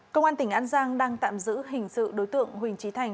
công an tỉnh an giang đang tạm giữ hình sự đối tượng huỳnh trí thành